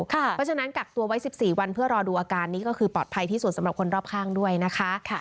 เพราะฉะนั้นกักตัวไว้๑๔วันเพื่อรอดูอาการนี้ก็คือปลอดภัยที่สุดสำหรับคนรอบข้างด้วยนะคะ